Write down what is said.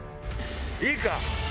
いいか？